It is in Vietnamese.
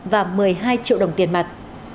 và một mươi hai triệu đồng tiền mặt